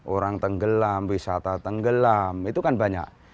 orang tenggelam wisata tenggelam itu kan banyak